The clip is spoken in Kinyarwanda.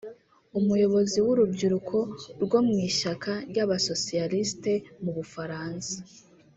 umuyobozi w ‘urubyiruko rwo mu ishyaka ry’Abasosiyalisiti mu Bufaransa